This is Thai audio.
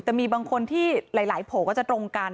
แต่มีบางคนที่หลายโผล่ก็จะตรงกัน